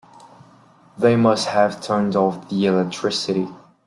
They must have turned off the electricity.